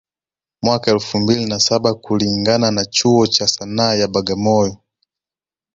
Mwaka wa elfu mbili na saba kulingana na chuo cha Sanaa ya Bagamoyo